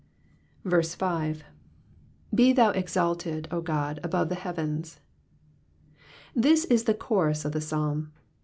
'' 6. & thou exalted, 0 Ood, above the heavens.''^ This is the chorus of the Psalm.